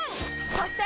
そして！